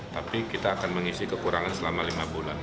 tapi kita akan mengisi kekurangan selama lima bulan